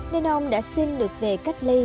nên ông đã xin được về cách ly